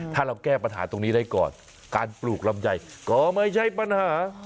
ถ้าเราแก้ปัญหาตรงนี้ได้ก่อนการปลูกลำไยก็ไม่ใช่ปัญหา